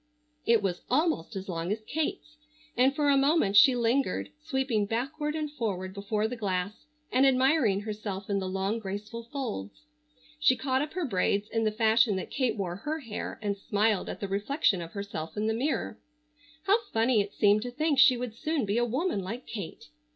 It was almost as long as Kate's, and for a moment she lingered, sweeping backward and forward before the glass and admiring herself in the long graceful folds. She caught up her braids in the fashion that Kate wore her hair and smiled at the reflection of herself in the mirror. How funny it seemed to think she would soon be a woman like Kate.